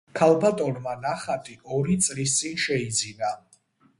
ქალბატონმა ნახატი ორი წლის წინ შეიძინა.